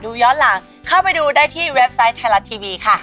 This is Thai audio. ย้อนหลังเข้าไปดูได้ที่เว็บไซต์ไทยรัฐทีวีค่ะ